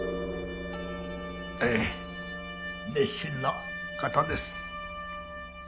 ええ熱心な方です。